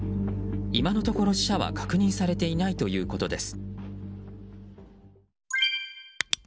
今のところ死者は確認されていないということです。